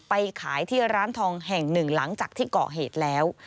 ไปขายที่ร้านทองแห่งหนึ่งหลังจากที่เกาะเหตุแล้ว